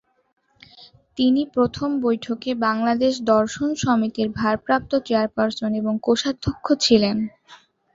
তিনি প্রথম বৈঠকে বাংলাদেশ দর্শন সমিতির ভারপ্রাপ্ত চেয়ারপারসন এবং কোষাধ্যক্ষ ছিলেন।